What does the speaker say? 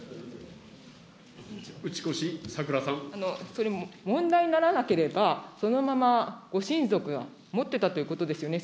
それ、問題にならなければ、そのままご親族が持ってたということですよね。